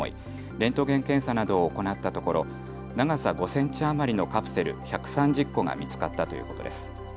レントゲン検査などを行ったところ長さ５センチ余りのカプセル１３０個が見つかったということです。